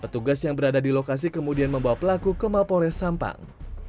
petugas yang berada di lokasi kemudian membawa pelaku ke mapores sampang